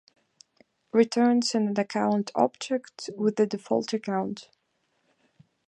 Returns an account object with the default account